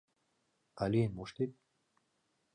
А лӱен моштет?